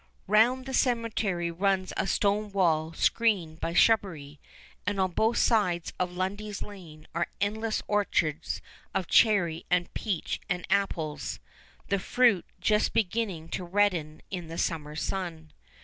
Round the cemetery runs a stone wall screened by shrubbery, and on both sides of Lundy's Lane are endless orchards of cherry and peach and apples, the fruit just beginning to redden in the summer sun.